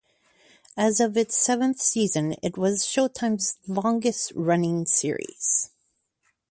As of its seventh season, it was Showtime's longest-running series.